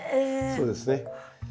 そうですね。